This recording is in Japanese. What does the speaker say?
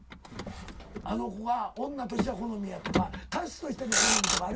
あの子が女としては好みやとか歌手としての好みとかあるやんか。